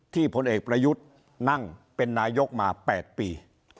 พลเอกประยุทธ์นั่งเป็นนายกมา๘ปี